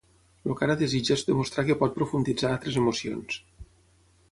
El que ara desitja és demostrar que pot profunditzar altres emocions.